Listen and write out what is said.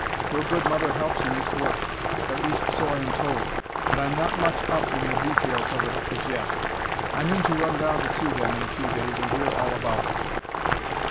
Your good mother helps in this work at least so I am told, but I'm not much up in in the details of it yet. I mean to run down to see them in a few days and hear all about it.